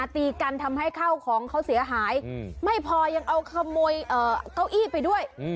ตีกันทำให้ข้าวของเขาเสียหายไม่พอยังเอาขโมยเก้าอี้ไปด้วย